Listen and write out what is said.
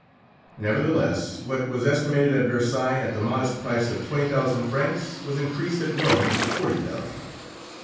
Nevertheless, what was estimated at Versailles at the modest price of twenty thousand francs was increased at Rome to forty thousand.